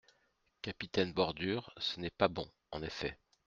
Capitaine Bordure Ce n’est pas bon, en effet.